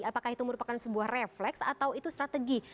apakah itu merupakan sebuah refleks atau itu strategi